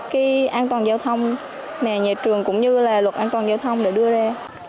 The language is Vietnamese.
cái an toàn giao thông mà nhà trường cũng như là luật an toàn giao thông để đưa ra